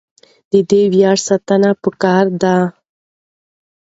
د دې ویاړ ساتنه پکار ده.